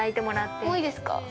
もういいですか。